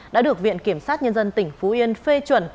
đã được viện kiểm sát nhân dân tỉnh phú yên phê chuẩn